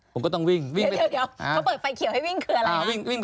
ผมก็ต้องวิ่ง